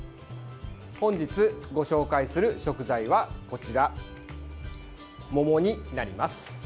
本日ご紹介する食材はこちら、桃になります。